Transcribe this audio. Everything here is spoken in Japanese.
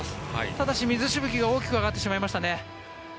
ただし水しぶきが大きく上がってしまいましたね。